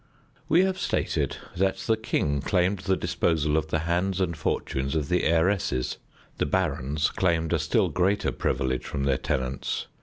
We have stated that the king claimed the disposal of the hands and fortunes of heiresses: the barons claimed a still greater privilege from their tenants.